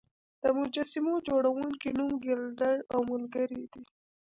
د مجسمو جوړونکي نوم ګیلډر او ملګري دی.